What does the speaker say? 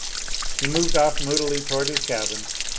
He moved off moodily toward his cabin.